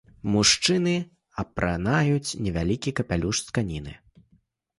Мужчыны апранаюць невялікі капялюш з тканіны.